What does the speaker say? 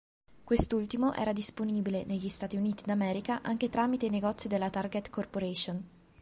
Quest'ultimo era disponibile negli Stati Uniti d'America anche tramite i negozi della Target Corporation.